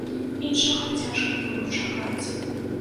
Іншага цяжка было чакаць.